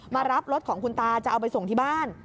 มารับรถของคุณตาจะเอาไปส่งที่บ้าน